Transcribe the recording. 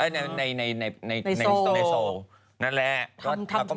ในโซ